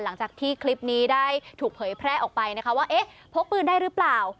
หลังจากที่คลิปนี้ได้ถูกเผยแพร่ออกไปนะคะว่าเอ๊ะพกปืนได้หรือเปล่า